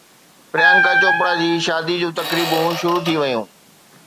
پريانڪا چوپڙا جي شادي جون تقريبون شروع ٿي ويون